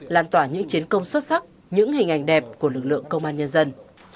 làn tỏa những chiến công xuất sắc những hình ảnh đẹp của lực lượng công an nhân dân